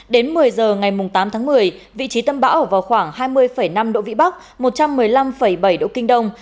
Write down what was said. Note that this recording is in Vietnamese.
đến một mươi giờ ngày tám tháng một mươi vị trí tâm bão ở vào khoảng hai mươi năm độ vĩ bắc một trăm một mươi năm bảy độ kinh đông